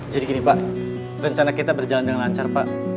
jadi gini pak rencana kita berjalan dengan lancar pak